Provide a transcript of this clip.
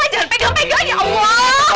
jangan pegang pegang ya allah